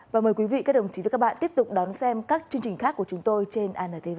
và mời quý vị các đồng chí và các bạn tiếp tục đón xem các chương trình khác của chúng tôi trên antv